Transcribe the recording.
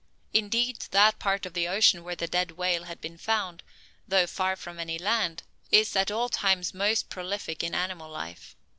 Indeed, that part of the ocean where the dead whale had been found, though far from any land, is at all times most prolific in animal life.